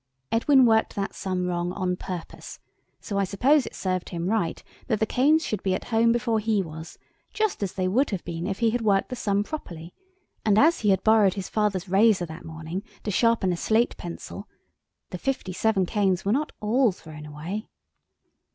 Edwin worked that sum wrong on purpose, so I suppose it served him right that the canes should be at home before he was, just as they would have been if he had worked the sum properly, and as he had borrowed his father's razor that morning to sharpen a slate pencil, the fifty seven canes were not all thrown away.